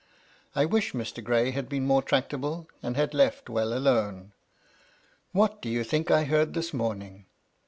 I wish Mr. Gray had been more tractable, and had left well alone. What do you think I heard this morning?